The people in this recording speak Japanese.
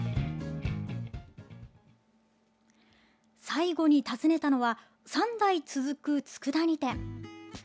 最後に訪ねたのは３代続くつくだ煮店。